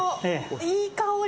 いい香り。